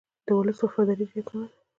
د ولس وفاداري ډېره کمه ده.